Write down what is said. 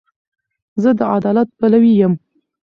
زه د عدالت پلوی یم.